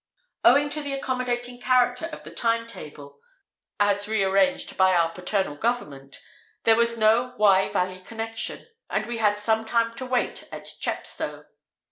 Owing to the accommodating character of the Time Table, as re arranged by our paternal government, there was no Wye Valley connection, and we had some time to wait at Chepstow.